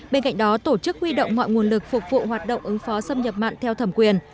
bên cạnh đó tổ chức huy động mọi nguồn lực phục vụ hoạt động ứng phó xâm nhập mặn theo thẩm quyền